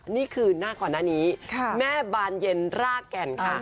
นี่คือหน้าก่อนหน้านี้แม่บานเย็นรากแก่นค่ะ